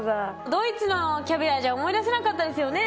ドイツのキャビアじゃ思い出せなかったですよね？